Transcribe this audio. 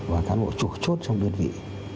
và cán bộ trục chốt trong biên vị